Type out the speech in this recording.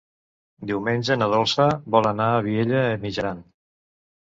Diumenge na Dolça vol anar a Vielha e Mijaran.